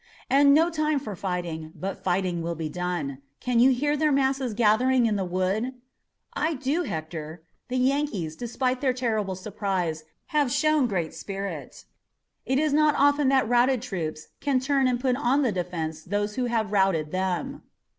"And no time for fighting, but fighting will be done. Can't you hear their masses gathering in the wood?" "I do, Hector. The Yankees, despite their terrible surprise, have shown great spirit. It is not often that routed troops can turn and put on the defense those who have routed them."